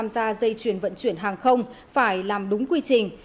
và dây chuyển vận chuyển hàng không phải làm đúng quy trình